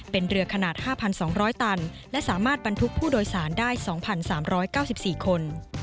เป็นเรือขนาด๕๒๐๐ตันและสามารถบรรทุกผู้โดยสารได้๒๓๙๔คน